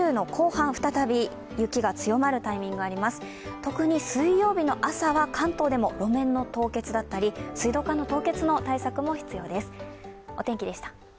特に水曜日の朝は関東でも路面の凍結だったり水道管の凍結の対策も必要です。